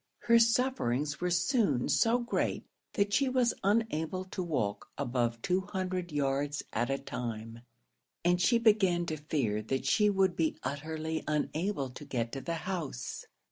Her sufferings were soon so great that she was unable to walk above two hundred yards at a time, and she began to fear that she would be utterly unable to get to the house.